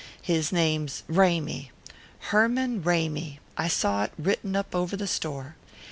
His name's Ramy Herman Ramy: I saw it written up over the store.